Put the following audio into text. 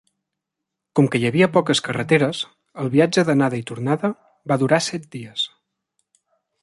Com que hi havia poques carreteres, el viatge d'anada i tornada va durar set dies.